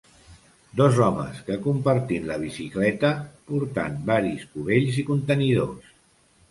Dos homes que compartint la bicicleta, portant varis cubells i contenidors.